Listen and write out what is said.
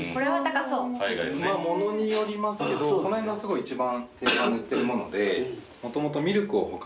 器もものによりますけどこの辺が一番定番で売ってるもので。